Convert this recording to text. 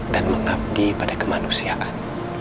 dan mengabdi pada kemanusiaan